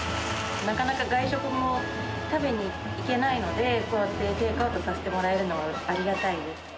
なかなか外食も食べに行けないので、こうやってテイクアウトさせてもらえるのはありがたいです。